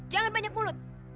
jangan banyak mulut